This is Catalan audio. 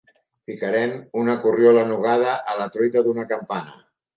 Ficaren una corriola nugada a la truita d’una campana.